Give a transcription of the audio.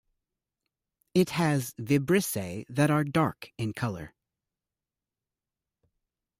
It has vibrissae that are dark in color.